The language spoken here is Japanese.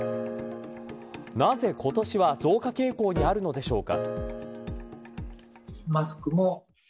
なぜ今年は増加傾向にあるのでしょうか。